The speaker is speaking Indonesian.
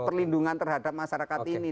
perlindungan terhadap masyarakat ini